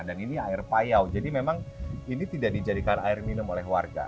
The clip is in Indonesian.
dan ini air payau jadi memang ini tidak dijadikan air minum oleh warga